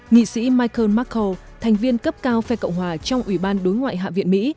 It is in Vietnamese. nghị sĩ michael macro thành viên cấp cao phe cộng hòa trong ủy ban đối ngoại hạ viện mỹ